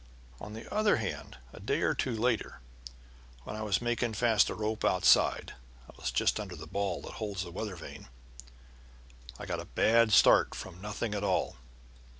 On the other hand, a day or two later, when I was making fast a rope outside (I was just under the ball that holds the weather vane) I got a bad start from nothing at all.